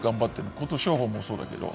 琴勝峰もそうだけど。